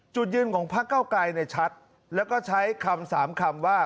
จุดยืนของพักเก้าไกรชัดแล้วก็ใช้คำสามคำว่า